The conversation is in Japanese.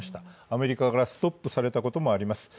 アメリカがストップされたこともあります。